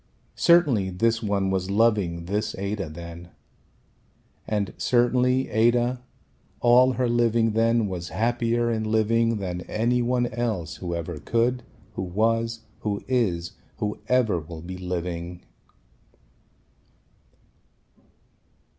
Certainly this one was loving this Ada then. And certainly Ada all her living then was happier in living than any one else who ever could, who was, who is, who ever will be living.